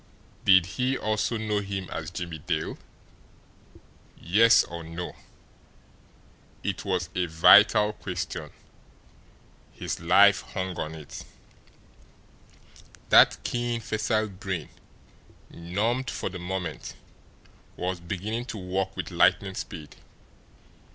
Did he also know him as Jimmie Dale? Yes, or no? It was a vital question. His life hung on it. That keen, facile brain, numbed for the moment, was beginning to work with lightning speed.